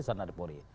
saat ada polri